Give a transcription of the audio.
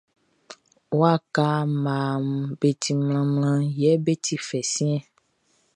Waka mmaʼm be ti mlanmlanmlan yɛ be ti fɛ siɛnʼn.